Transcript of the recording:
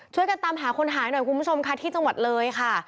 ช่วยกันตามหาคนหายหน่อยคุณผู้ชมค่ะที่จังหวัดเลยค่ะ